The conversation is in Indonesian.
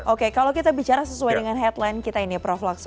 oke kalau kita bicara sesuai dengan headline kita ini prof laksa